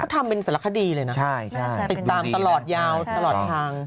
พระสุธรรมเป็นศรัคดีเลยนะติดตามตลอดยาวตลอดทาง